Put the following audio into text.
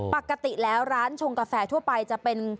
ปกติแล้วร้านชงกาแฟทั่วไปจะเป็น